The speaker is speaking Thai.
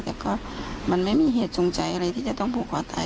แต่ก็มันไม่มีเหตุจงใจอะไรที่จะต้องผูกคอตาย